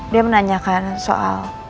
dia menanyakan soal